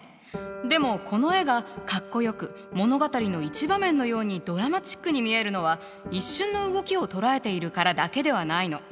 でもこの絵がかっこよく物語の一場面のようにドラマチックに見えるのは一瞬の動きを捉えているからだけではないの。